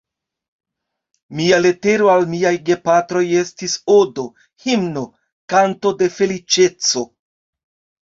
Mia letero al miaj gepatroj estis odo, himno, kanto de feliĉeco.